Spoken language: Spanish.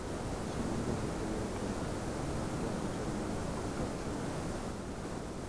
Su nombre se debe a que representa un ser humano con cabeza de león.